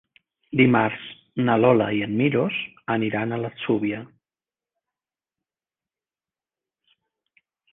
Dimarts na Lola i en Milos aniran a l'Atzúbia.